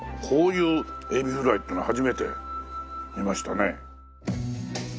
こういうエビフライっていうのは初めて見ましたね。